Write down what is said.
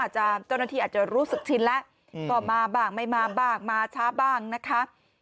เจ้าหน้าที่อาจจะรู้สึกชินแล้วก็มาบ้างไม่มาบ้างมาช้าบ้างนะคะ